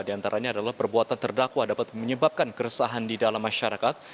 di antaranya adalah perbuatan terdakwa dapat menyebabkan keresahan di dalam masyarakat